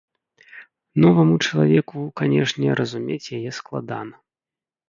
Новаму чалавеку, канешне, разумець яе складана.